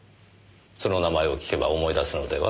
その名前を聞けば思い出すのでは？